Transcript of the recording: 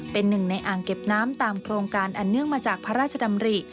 เป็นหนึ่งในอ่างเก็บน้ำตามโครงการอันเนื่องมาจากพระราชดำริ